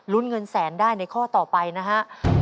เงินแสนได้ในข้อต่อไปนะฮะ